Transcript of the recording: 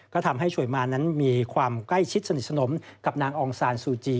ก็ทำให้ช่วยมานั้นมีความใกล้ชิดสนิทสนมกับนางองซานซูจี